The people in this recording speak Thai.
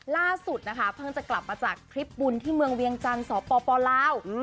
ล่าสุดนะคะเพิ่งจะกลับมาจากทริปบุญที่เมืองเวียงจันทร์สปลาว